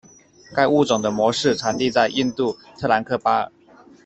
该物种的模式产地在印度特兰克巴尔。